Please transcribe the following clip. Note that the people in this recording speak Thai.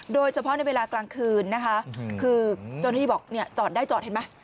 โดยเฉพาะในเวลากลางคืนนะคะคือเจ้าหน้าที่บอกเนี่ยจอดได้จอดเห็นไหม